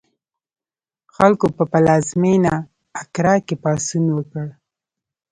خلکو په پلازمېنه اکرا کې پاڅون وکړ.